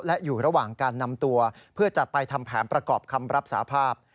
และอยู่ระหว่างการนำตัวเพื่อจัดไปทำแผนประกอบคำรับสาภาพ